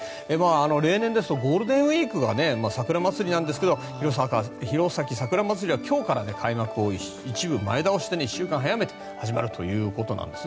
例年ですとゴールデンウィークがさくらまつりなんですが弘前さくらまつりは今日から開幕を一部前倒して１週間早めて始まるということです。